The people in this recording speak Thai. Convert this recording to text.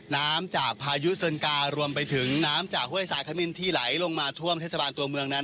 น้ำจากพายุเซินการวมไปถึงน้ำจากห้วยสายขมินที่ไหลลงมาท่วมเทศบาลตัวเมืองนั้น